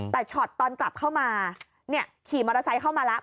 แต่ช็อตตอนกลับเข้ามาขี่มอเตอร์ไซค์เข้ามาแล้ว